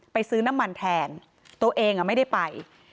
ซื้อน้ำมันแทนตัวเองไม่ได้ไป